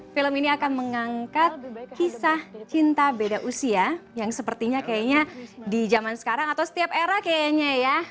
film ini akan mengangkat kisah cinta beda usia yang sepertinya kayaknya di zaman sekarang atau setiap era kayaknya ya